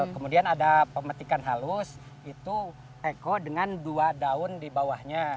kemudian ada pemetikan halus itu peko dengan dua daun dibawahnya